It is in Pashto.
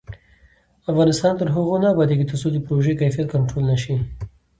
افغانستان تر هغو نه ابادیږي، ترڅو د پروژو کیفیت کنټرول نشي.